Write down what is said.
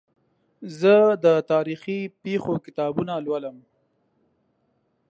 زه د تاریخي پېښو کتابونه لولم.